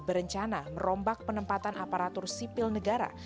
berencana merombak penempatan aparatur sipil negara